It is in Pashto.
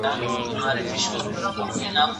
د مسلکو په دې جنګ کښې٬ مُلاجان نه مې نفرت دے